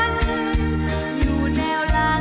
เสียงรัก